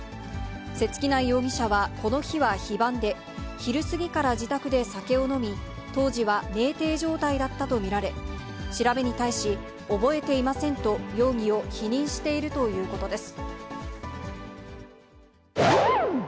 瀬月内容疑者はこの日は非番で、昼過ぎから自宅で酒を飲み、当時は、めいてい状態だったと見られ、調べに対し、覚えていませんと容疑を否認しているということです。